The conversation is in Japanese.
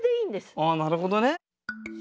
ああなるほどね。